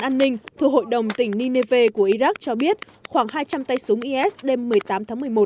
ủy ban an ninh thủ hội đồng tỉnh nineveh của iraq cho biết khoảng hai trăm linh tay súng is đêm một mươi tám tháng một mươi một